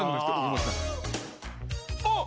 あっ！